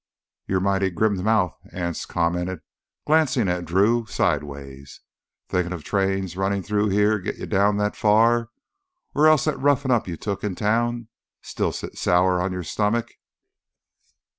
"You're mighty grim mouthed," Anse commented, glancing at Drew sideways. "Thinkin' of trains runnin' through here git you down that far? Or else that roughenin' up you took in town still sit sour on your stomach?"